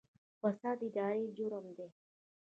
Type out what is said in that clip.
فساد اداري جرم دی